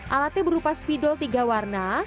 alatnya berupa spidol tiga warna